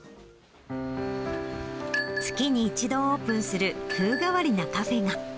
月に１度オープンする風変わりなカフェが。